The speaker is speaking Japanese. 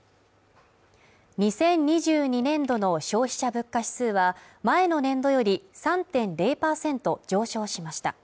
２０２２年度の消費者物価指数は、前の年度より３．０％上昇しました。